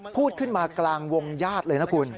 พูดขึ้นมากลางวงญาติเลยนะคุณ